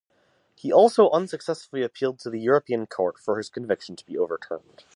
He also unsuccessfully appealed to the European court for his conviction to be overturned.